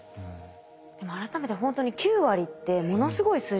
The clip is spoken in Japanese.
でも改めてほんとに９割ってものすごい数字ですよね。